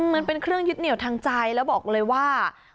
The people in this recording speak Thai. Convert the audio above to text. มันเป็นเครื่องยึดเหนียวทางใจแล้วบอกเลยว่า